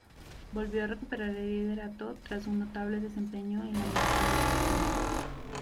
Volvió a recuperar el liderato tras un notable desempeño en la montaña alpina.